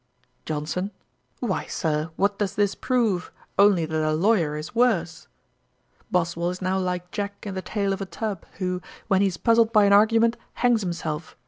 JOHNSON. 'Why, Sir, what does this prove? only that a lawyer is worse. Boswell is now like Jack in The Tale of a Tub, who, when he is puzzled by an argument, hangs himself.